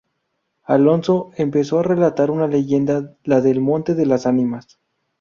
Alonso, empezó a relatar una leyenda, la del Monte de las Ánimas.